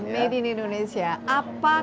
medin indonesia apa